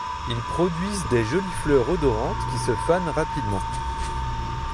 Ils produisent des jolies fleurs odorantes qui se fanent rapidement.